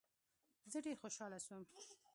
زه ډیر خوشحاله سوم.